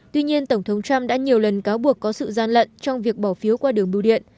tuy nhiên tổng thống trump đã nhiều lần cáo buộc có sự gian lận trong việc bỏ phiếu qua đường bưu điện